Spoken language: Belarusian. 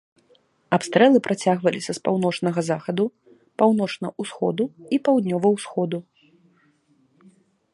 Абстрэлы працягваліся з паўночнага захаду, паўночна-усходу і паўднёва-усходу.